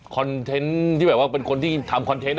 เทนต์ที่แบบว่าเป็นคนที่ทำคอนเทนต์